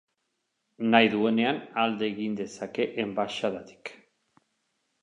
Nahi duenean alde egin dezake enbaxadatik.